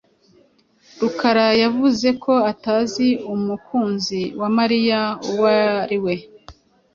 Rukara yavuze ko atazi umukunzi wa Mariya uwo ari we.